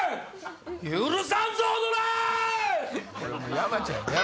山ちゃんや。